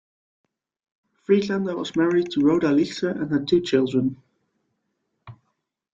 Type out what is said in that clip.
Friedlander was married to Rhoda Lichter and had two children.